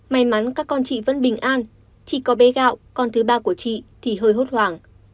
may mắn các con chị vẫn bình an chỉ có bé gạo con thứ ba của chị thì hơi hốt hoảng